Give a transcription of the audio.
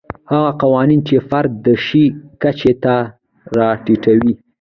هغه قوانین چې فرد د شي کچې ته راټیټوي.